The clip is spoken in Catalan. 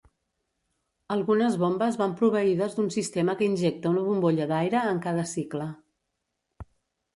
Algunes bombes van proveïdes d'un sistema que injecta una bombolla d'aire en cada cicle.